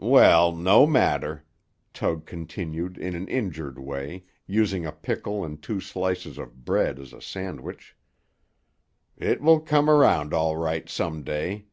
"Well, no matter," Tug continued in an injured way, using a pickle and two slices of bread as a sandwich. "It will come around all right some day.